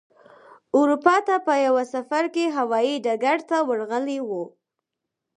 اروپا ته په یوه سفر کې هوايي ډګر ته ورغلی و.